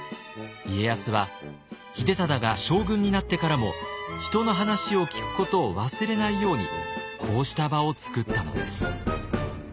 家康は秀忠が将軍になってからも人の話を聞くことを忘れないようにこうした場を作ったのです。